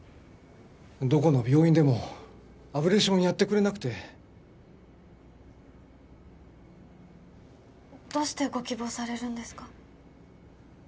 どこの病院でもアブレーションやってくれなくてどうしてご希望されるんですか？